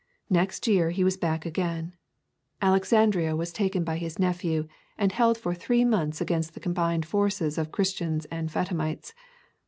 Next year he was back again. Alexandria was taken by his nephew, and held for three months against the combined forces of Christians and Fatimites.